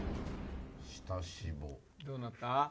どうなった？